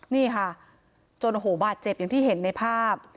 นี่ค่ะจนโอ้โหบาดเจ็บอย่างที่เห็นในภาพ